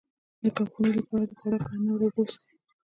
د کمخونۍ لپاره د پالک او انار اوبه وڅښئ